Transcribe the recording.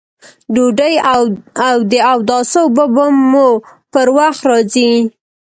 ډوډۍ او د اوداسه اوبه به مو پر وخت راځي!